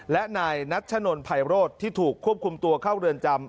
และนายนัชนนภัยโรธที่ถูกควบคุมตัวเข้าเรือนจำ